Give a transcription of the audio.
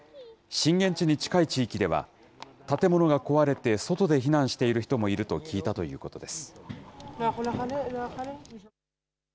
震源地に近い地域では、建物が壊れて外で避難している人もいると聞いたということです。